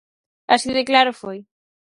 Así de claro foi.